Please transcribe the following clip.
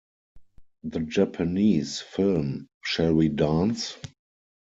The Japanese film Shall We Dance?